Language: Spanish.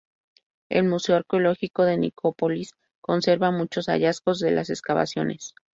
El Museo Arqueológico de Nicópolis conserva muchos hallazgos de las excavaciones.